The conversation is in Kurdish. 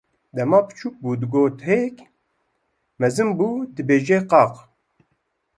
Dema biçûk bû digot hêk, mezin bû dibêje qaq.